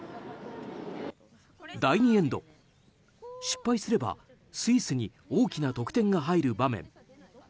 第２エンド、失敗すればスイスに大きな得点が入る場面。